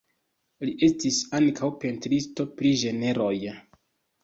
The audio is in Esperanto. Li estis ankaŭ pentristo pri ĝenroj.